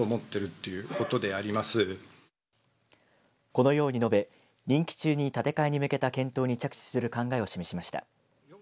このように述べ、任期中に建て替えに向けた検討に着手する考えを示しました。